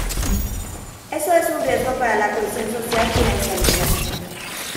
Eso es un riesgo para la cohesión social y la estabilidad.